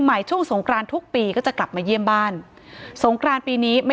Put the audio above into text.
ช่วงสงครานทุกปีก็จะกลับมาเยี่ยมบ้านสงกรานปีนี้ไม่